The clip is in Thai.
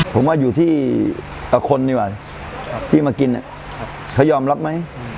ผมว่าอยู่ที่ตะคนดีกว่าที่มากินเขายอมรับไหม